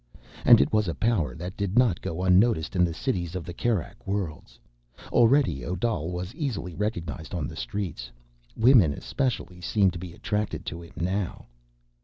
And it was a power that did not go unnoticed in the cities of the Kerak Worlds. Already Odal was easily recognized on the streets; women especially seemed to be attracted to him now.